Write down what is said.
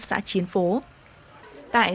xã chiến phố tại